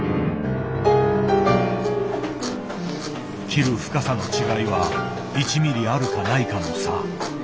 切る深さの違いは１ミリあるかないかの差。